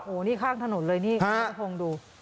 โอ้โหนี่ข้างถนนเลยนี่น้ำสูงดู